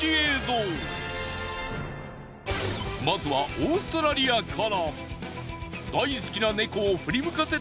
まずはオーストラリアから。